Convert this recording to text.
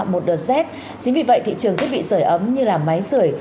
một đợt rét chính vì vậy thị trường thiết bị sởi ấm như là máy sởi